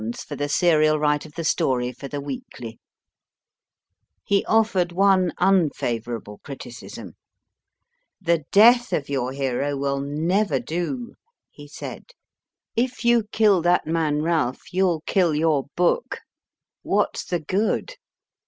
for the serial right of the story for the Weekly: He offered one unfavour able criticism. The death of your hero will never do, he said. If you kill that man Ralph, you ll kill your book. What s the good